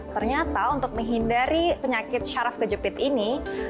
ternyata untuk menghindari penyakit syaraf kejepit ini